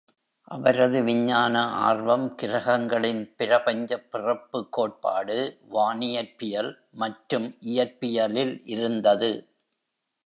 அவரது விஞ்ஞான ஆர்வம் கிரகங்களின் பிரபஞ்ச பிறப்பு கோட்பாடு, வானியற்பியல் மற்றும் இயற்பியலில் இருந்தது.